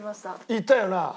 行ったよな？